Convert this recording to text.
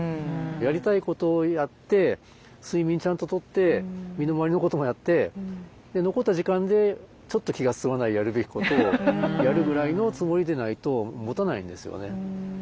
やりたいことをやって睡眠ちゃんととって身の回りのこともやって残った時間でちょっと気が進まないやるべきことをやるぐらいのつもりでないともたないんですよね。